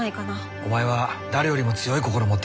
お前は誰よりも強い心を持ってる。